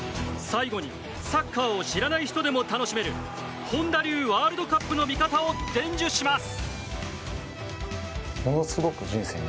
最後にサッカーを知らない人でも楽しめる本田流ワールドカップの見方を伝授します。